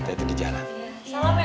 salam ya om